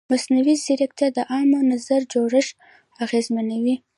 مصنوعي ځیرکتیا د عامه نظر جوړښت اغېزمنوي.